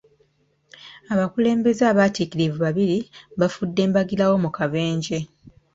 Abakulembeze abaatiikirivu babiri baafudde mbagirawo mu kabenje.